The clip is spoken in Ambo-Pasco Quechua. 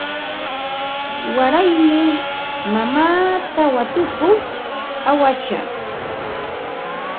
Waraymi mamaata watukuq aywashaq.